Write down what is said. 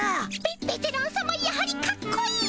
ベベテランさまやはりかっこいい。